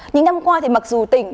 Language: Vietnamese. những năm qua thì mặc dù tỉnh